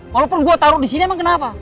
walaupun gue taruh disini emang kenapa